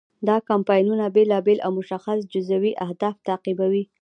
دا کمپاینونه بیلابیل او مشخص جزوي اهداف تعقیبوي.